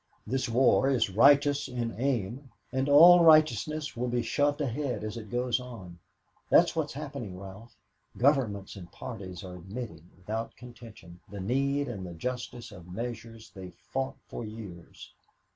This war is righteous in aim, and all righteousness will be shoved ahead as it goes on. That's what's happening, Ralph. Governments and parties are admitting, without contention, the need and the justice of measures they've fought for years.